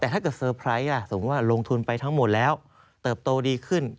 แต่ถ้าเกิดเตอร์ไพรส์สมมุติว่าลงทุนไปทั้งหมดแล้วเติบโตดีขึ้น